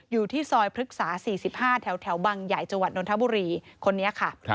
อยู่ที่ซอยพฤกษา๔๕แถวบังใหญ่จังหวัดนทบุรีคนนี้ค่ะ